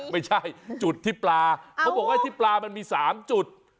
ไม่ใช่จุดที่ปลาเขาบอกว่าที่ปลามันมี๓จุด